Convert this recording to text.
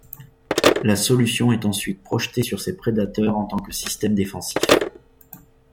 La solution est ensuite projetée sur ses prédateurs en tant que système défensif.